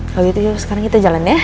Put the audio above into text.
kalau gitu yuk sekarang kita jalan ya